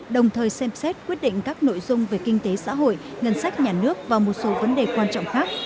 đồng thời xem xét quyết định các nội dung về kinh tế xã hội ngân sách nhà nước và một số vấn đề quan trọng khác